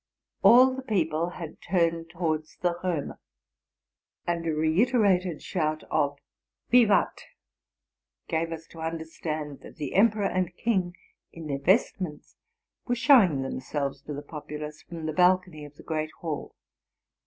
All the people had turned towards the Romer; and a reiterated shout of vivat gave us to understand that the emperor and king, in their vestments, were showing themselves to the populace from the balcony of the great hall.